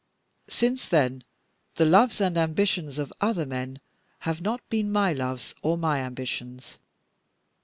Since then the loves and ambitions of other men have not been my loves or my ambitions.